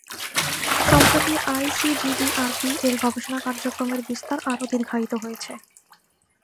সম্প্রতি I C D D R বি-এর গবেষণা কার্যক্রমের বিস্তার আরও দীর্ঘায়িত হয়েছে।